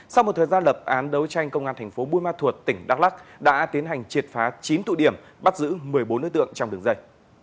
sau một thời gian lập án đấu tranh công an thành phố buôn ma thuột tỉnh đắk lắc đã tiến hành triệt phá chín tụ điểm bắt giữ một mươi bốn nơi tượng trong đường dây